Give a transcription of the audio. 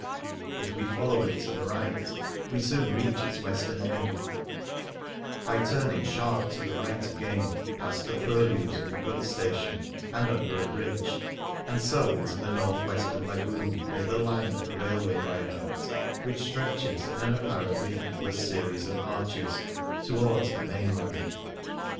If we follow it to the right we soon reach its western end, by turning sharp to the right again past the purlieus of the goods station, and under a bridge, and so into the north western lagoon near the line of the railway viaduct which stretches in an apparently endless series of arches towards the mainland.